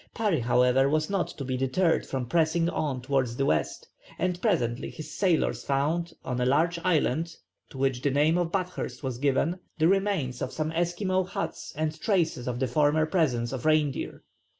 Parry, however, was not to be deterred from pressing on towards the west, and presently his sailors found, on a large island, to which the name of Bathurst was given, the remains of some Esquimaux huts and traces of the former presence of reindeer.